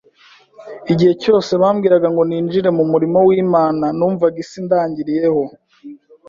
Igihe cyose bambwiraga ngo ninjire mu murimo w’Imana, numvaga isi indangiriyeho.